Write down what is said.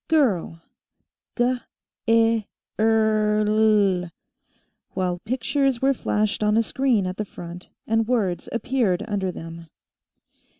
Girl guh ih rrr lll," while pictures were flashed on a screen at the front, and words appeared under them.